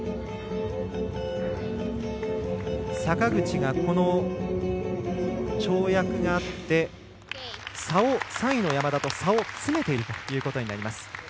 坂口が跳躍があって３位の山田と差を詰めているということになります。